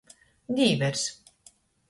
Dīvers.